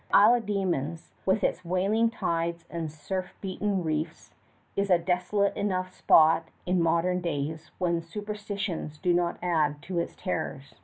Isle of Demons, with its wailing tides and surf beaten reefs, is a desolate enough spot in modern days when superstitions do not add to its terrors.